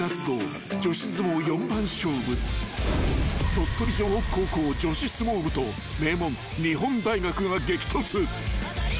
［鳥取城北高校女子相撲部と名門日本大学が激突］